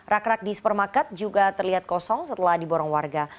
rak rak di supermarket juga terlihat kosong setelah diborong warga